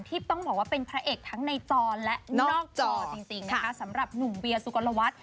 ที่ต้องบอกเป็นพระเอกทั้งในจอและนอกจอสำหรับหนุ่มเวียสุกรวจ